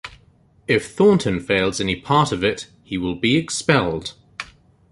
If Thornton fails any part of it, he will be expelled.